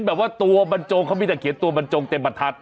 แบบว่าเขาเขียนตัวบรรจงเต็มบัตรทัศน์